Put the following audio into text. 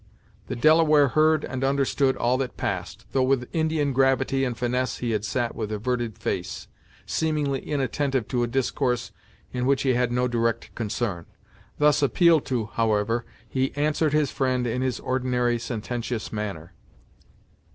The Delaware heard and understood all that passed, though with Indian gravity and finesse he had sat with averted face, seemingly inattentive to a discourse in which he had no direct concern. Thus appealed to, however, he answered his friend in his ordinary sententious manner.